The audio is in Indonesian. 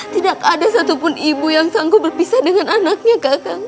tidak ada satupun ibu yang sanggup berpisah dengan anaknya